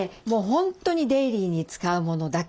本当にデイリーに使うものだけです。